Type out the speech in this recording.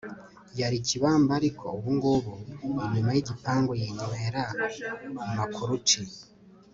yari kibamba ariko ubungubu inyuma y' igipangu yinywera makuruci